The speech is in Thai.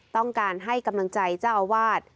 ต้องการให้กำลังใจเจ้าอาวาส